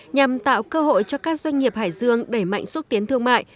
nhằm tạo cơ hội cho các doanh nghiệp hải dương đẩy mạnh xúc tiến thương mại